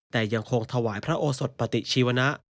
แต่ยังคงถวายพระโอสดปฏิชีวนะ